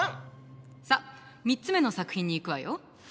さあ３つ目の作品にいくわよ。